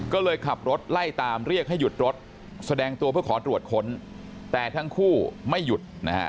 ก็เลยขับรถไล่ตามเรียกให้หยุดรถแสดงตัวเพื่อขอตรวจค้นแต่ทั้งคู่ไม่หยุดนะฮะ